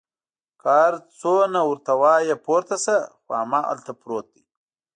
که هر څومره ورته وایي پورته شه، خو هماغلته پروت دی.